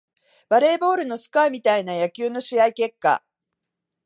バレーボールのスコアみたいな野球の試合結果